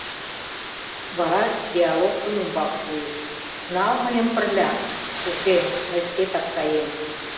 Вара диалогшым умбак шуйыш: «Нал мыйым пырля!» — «Уке, мый шкетак каем».